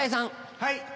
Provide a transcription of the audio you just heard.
はい。